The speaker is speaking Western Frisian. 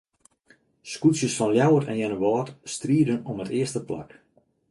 Skûtsjes fan Ljouwert en Earnewâld striden om it earste plak.